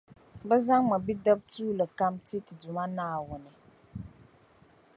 bɛ zaŋmi bidib’ tuuli kam ti ti Duuma Naawuni.